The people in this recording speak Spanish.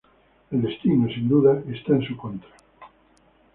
El destino, sin duda, está en su contra.